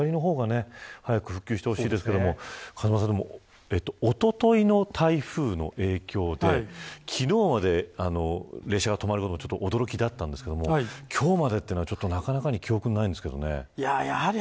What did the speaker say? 浜松から新大阪の下りの方が早く復旧してほしいですがおとといの台風の影響で昨日まで列車が止まること驚きだったんですけど今日までというのはなかなか記憶にないですけどね。